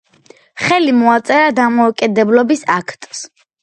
ხელი მოაწერა დამოუკიდებლობის აქტს.